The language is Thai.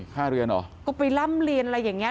ค่าเรียนเหรอก็ไปล่ำเรียนอะไรอย่างเงี้